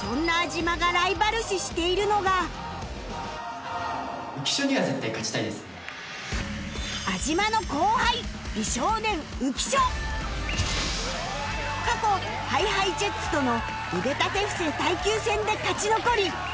そんな安嶋が安嶋の後輩美少年浮所過去 ＨｉＨｉＪｅｔｓ との腕立て伏せ耐久戦で勝ち残り